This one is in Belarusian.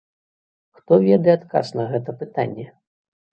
Хто ведае адказ на гэта пытанне?